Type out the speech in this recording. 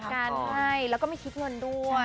การให้แล้วก็ไม่คิดเงินด้วย